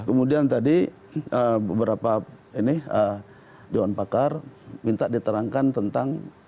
kemudian tadi beberapa dewan pakar minta diterangkan tentang